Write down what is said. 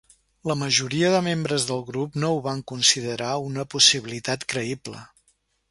La majoria de membres del grup no ho van considerar una possibilitat creïble.